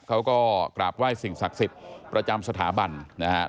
เขาก็กราบไหว้สิ่งศักดิ์สิทธิ์ประจำสถาบันนะครับ